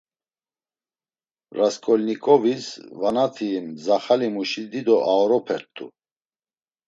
Rasǩolnikovis vanati mzaxalimuşi dido aoropert̆u.